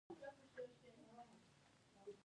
د ستنې په شان وه او درې پرې یي لرلې.